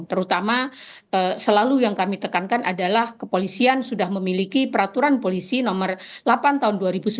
terutama selalu yang kami tekankan adalah kepolisian sudah memiliki peraturan polisi nomor delapan tahun dua ribu sembilan belas